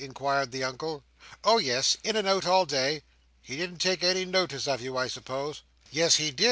inquired the Uncle. "Oh yes! In and out all day." "He didn't take any notice of you, I suppose?". "Yes he did.